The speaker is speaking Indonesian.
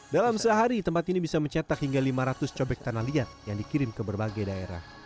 dalam sehari tempat ini bisa mencetak hingga lima ratus cobek tanah liat yang dikirim ke berbagai daerah